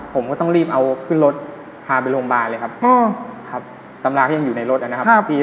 ผมก็ต้องรีบเอาขึ้นรถพาไปโรงพยาบาลเลยครับครับตำราก็ยังอยู่ในรถนะครับ